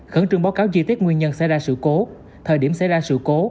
khẩn trương báo cáo chi tiết nguyên nhân xảy ra sự cố thời điểm xảy ra sự cố